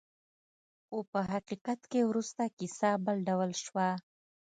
خو په حقیقت کې وروسته کیسه بل ډول شوه.